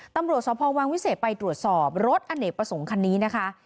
ตำรวจสภวังวิเศษไปตรวจสอบรถอเนกประสงค์คันนี้นะคะ